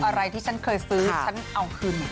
อะไรที่ฉันเคยซื้อฉันเอาคืนหมด